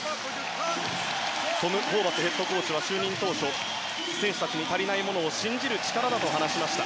トム・ホーバスヘッドコーチは就任当初選手たちに足りないものを信じる力だと話しました。